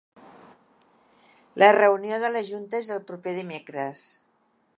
La reunió de la junta es el proper dimecres.